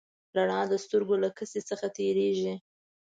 رڼا د سترګو له کسي څخه تېرېږي.